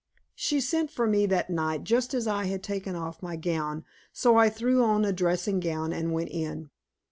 She sent for me that night, just as I had taken off my gown; so I threw on a dressing gown and went in.